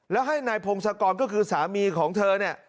แล้วให้นายพงศกรก็คือสามีของเธอเนี่ย